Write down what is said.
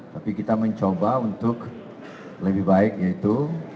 tapi kita mencoba untuk lebih baik yaitu